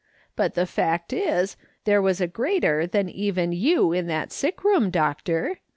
" But the fact is, there was a greater than even you in that sick room, doctor.